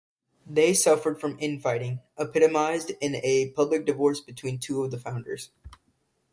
They suffered from in-fighting, epitomized in a public divorce between two of the founders.